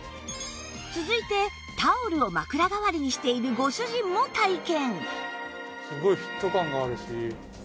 続いてタオルを枕代わりにしているご主人も体験